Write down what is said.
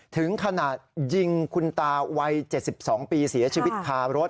ถึงขนาดยิงคุณตาวัย๗๒ปีเสียชีวิตคารถ